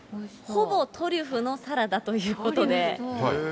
ほぼトリュフのサラダということで。